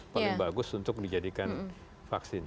paling bagus untuk dijadikan vaksin